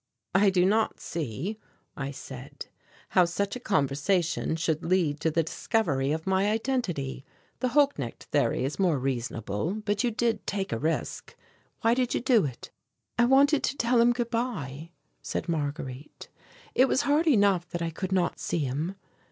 "I do not see," I said, "how such a conversation should lead to the discovery of my identity the Holknecht theory is more reasonable but you did take a risk. Why did you do it?" "I wanted to tell him good bye," said Marguerite. "It was hard enough that I could not see him."